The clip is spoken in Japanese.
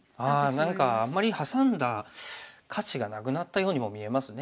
何かあんまりハサんだ価値がなくなったようにも見えますね